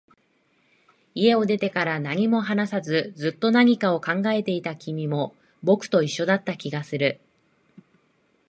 家を出てから、何も話さず、ずっと何かを考えていた君も、僕と一緒だった気がする